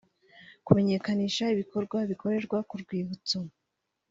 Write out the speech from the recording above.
kumenyekanisha ibikorwa bikorerwa ku rwibutso